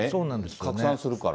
拡散するから。